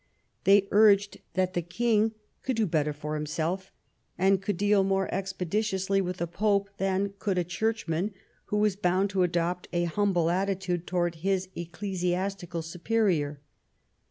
They urged that the king could do better for himself, and could deal more expeditiously with the Pope than could a churqhman who was bound to adopt a humble attitude towards his ecclesiastical superior.